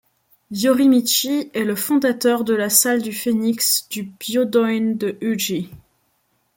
Yorimichi est le fondateur de la salle du phénix du Byodoin de Uji.